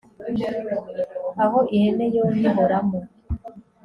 aho ihene yonnye ihoramo